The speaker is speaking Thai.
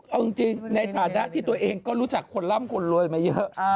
เอาจริงในฐานะที่ตัวเองก็รู้จักคนร่ำคนรวยมาเยอะ